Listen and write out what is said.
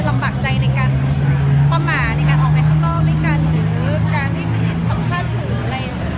คุณก็ยอมรับนำได้หมดนะว่าก็ปีนี้ก็จะคลุมเป็นแบบร้อยสบาย